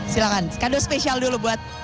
silahkan skando spesial dulu buat